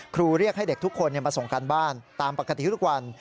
เรียกให้เด็กทุกคนมาส่งการบ้านตามปกติทุกวัน